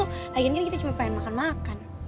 lagian kan kita cuma pengen makan makan